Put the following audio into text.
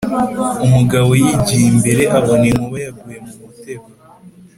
Umugabo Yigiye imbere abona inkuba yaguye mu mutego